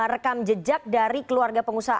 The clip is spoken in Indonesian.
rekam jejak dari keluarga pengusaha